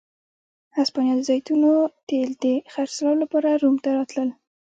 هسپانیا د زیتونو تېل د خرڅلاو لپاره روم ته راتلل.